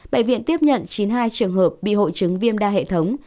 bệnh viện tiếp nhận chín mươi hai trường hợp bị hội chứng viêm đa hệ thống